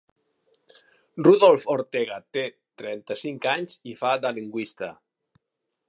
Rudolf Ortega té trenta-cinc anys i fa de lingüista.